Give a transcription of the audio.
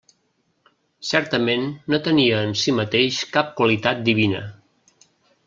Certament no tenia en si mateix cap qualitat divina.